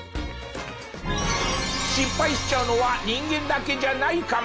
失敗しちゃうのは人間だけじゃないカメ！